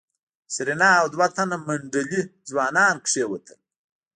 سېرېنا او دوه تنه منډلي ځوانان کېوتل.